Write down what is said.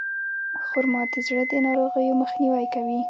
خرما د زړه د ناروغیو مخنیوی کوي.